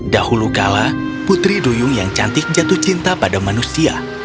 dahulu kala putri duyung yang cantik jatuh cinta pada manusia